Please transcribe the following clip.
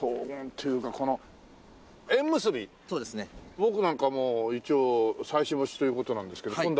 僕なんかもう一応妻子持ちという事なんですけど今度